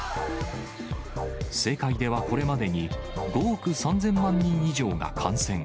世界ではこれまでに５億３０００万人以上が感染。